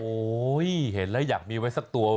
โอ้โหเห็นแล้วอยากมีไว้สักตัว